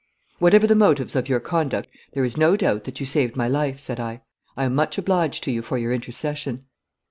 'Whatever the motives of your conduct, there is no doubt that you saved my life,' said I. 'I am much obliged to you for your intercession.'